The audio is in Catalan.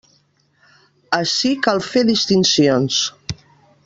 Ací cal fer distincions.